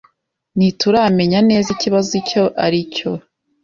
Ntituramenya neza ikibazo icyo ari cyo.